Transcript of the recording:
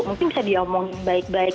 mungkin bisa diomongin baik baik